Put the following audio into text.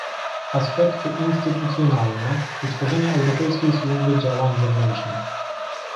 Aspekty instytucjonalne utworzenia Europejskiej Służby Działań Zewnętrznych